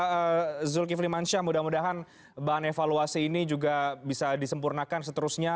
pak zulkifli mansyah mudah mudahan bahan evaluasi ini juga bisa disempurnakan seterusnya